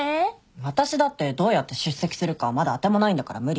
私だってどうやって出席するかまだ当てもないんだから無理。